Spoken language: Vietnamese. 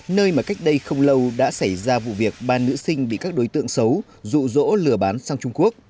nơi mà cách đây không lâu đã xảy ra vụ việc ba nữ sinh bị các đối tượng xấu rụ rỗ lừa bán sang trung quốc